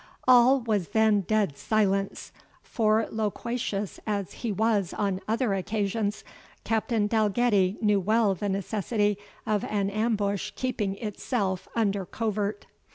All was then dead silence; for, loquacious as he was on other occasions, Captain Dalgetty knew well the necessity of an ambush keeping itself under covert.